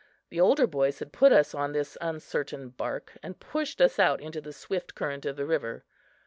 The older boys had put us on this uncertain bark and pushed us out into the swift current of the river.